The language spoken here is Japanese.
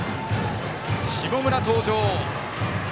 下村登場。